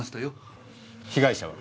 被害者は？